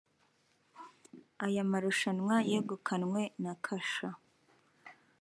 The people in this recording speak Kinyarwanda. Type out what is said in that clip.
Aya marushanwa yegukanywe na Kasha